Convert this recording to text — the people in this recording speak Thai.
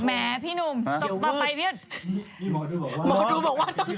แหมพี่หนุ่มต่อไปพี่นี่หมอดูบอกว่าต้องแต่ง